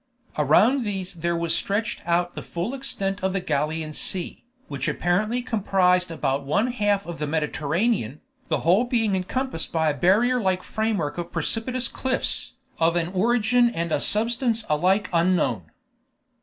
Around these there was stretched out the full extent of the Gallian Sea, which apparently comprised about one half of the Mediterranean, the whole being encompassed by a barrier like a framework of precipitous cliffs, of an origin and a substance alike unknown.